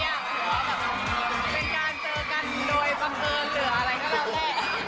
หรือว่าแบบเป็นการเจอกันโดยบังเอิญหรืออะไรก็แล้วแต่